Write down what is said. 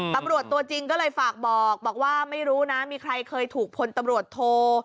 ตำรวจตัวจริงก็เลยฝากบอกบอกว่าไม่รู้นะมีใครเคยถูกพลตำรวจโท